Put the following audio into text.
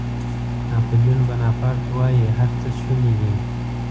ناپیلیون بناپارټ وایي هر څه شوني دي.